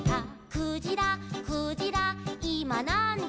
「クジラクジラいまなんじ」